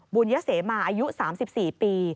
บุญยเสมาอายุ๓๔ปี